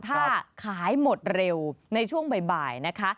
ถ้าขายหมดเร็วในช่วงบ่ายนะคะ